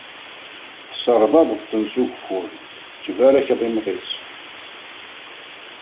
Tesserḍabeḍ-ten s ugeffur, tettbarakeḍ imɣi-s.